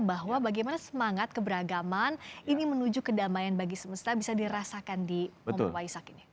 bahwa bagaimana semangat keberagaman ini menuju kedamaian bagi semesta bisa dirasakan di momen waisak ini